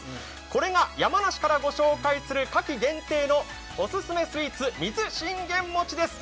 これが山梨からご紹介する夏季限定のオススメスイーツ水信玄餅です。